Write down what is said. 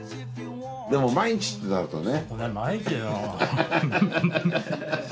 でも毎日ってなるとね。